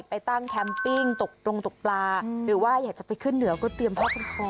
ไปตั้งแคมปิ้งตกตรงตกปลาหรือว่าอยากจะไปขึ้นเหนือก็เตรียมพ่อเป็นพ่อ